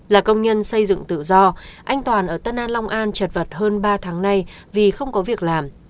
là công nhân xây dựng tự do anh toàn ở tân an long an chật vật hơn ba tháng nay vì không có việc làm